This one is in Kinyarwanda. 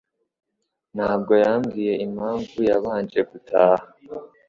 Ntabwo yambwiye impamvu yabanje gutaha